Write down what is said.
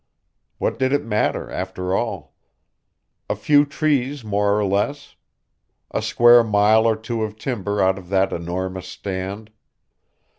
What did it matter, after all? A few trees more or less! A square mile or two of timber out of that enormous stand.